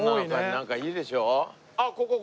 なんかいいでしょ？